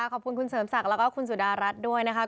ขอบคุณคุณเสริมศักดิ์แล้วก็คุณสุดารัฐด้วยนะครับ